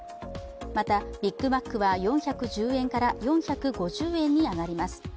また、ビッグマックは４１０円から４５０円に上がります。